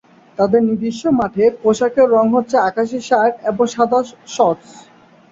তাদের নিজস্ব মাঠে পোশাকের রঙ হচ্ছে আকাশী শার্ট এবং সাদা শর্টস।